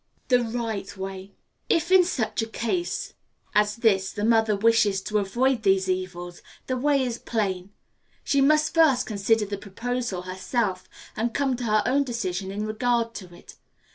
The Right Way. If in such a case as this the mother wishes to avoid these evils, the way is plain. She must first consider the proposal herself, and come to her own decision in regard to it.